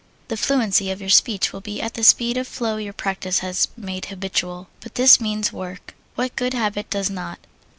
The fluency of your speech will be at the speed of flow your practise has made habitual. But this means work. What good habit does not?